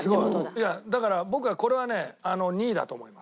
だから僕はこれはね２位だと思います。